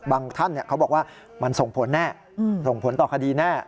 ท่านเขาบอกว่ามันส่งผลแน่ส่งผลต่อคดีแน่